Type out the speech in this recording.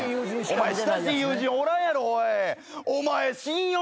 お前親しい友人おらんやろ。